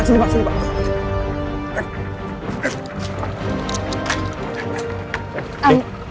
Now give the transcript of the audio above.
sini pak sini pak sini pak